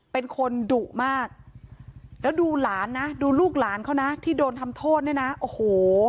เป็นคนดุมากแล้วดูหลานนะดูลูกหลานเขานะที่โดนทำโทษเนี่ยนะโอ้โห